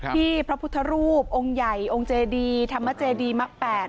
พระพุทธรูปองค์ใหญ่องค์เจดีธรรมเจดีมะแปด